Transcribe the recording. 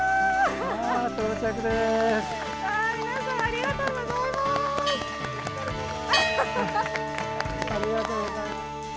ありがとうございます。